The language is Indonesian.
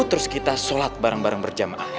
terus kita sholat bareng bareng berjamaah